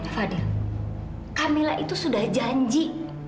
fadil camilla itu sudah janji